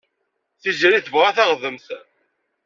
Tiziri tebɣa taɣdemt.